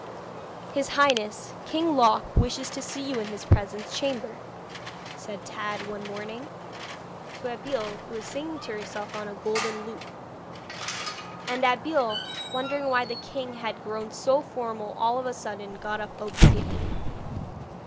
'His Highness King Loc wishes to see you in his presence chamber,' said Tad, one morning, to Abeille, who was singing to herself on a golden lute; and Abeille, wondering why the king had grown so formal all of a sudden, got up obediently.